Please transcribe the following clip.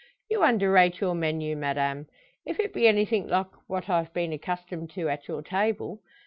"You underrate your menu, madame; if it be anything like what I've been accustomed to at your table.